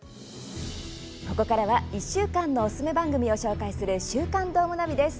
ここからは１週間のおすすめ番組を紹介する「週刊どーもナビ」です。